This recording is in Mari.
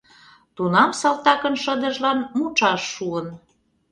Тунам салтакын шыдыжлан мучаш шуын.